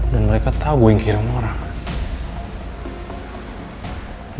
dan mereka tau gue yang kirim orang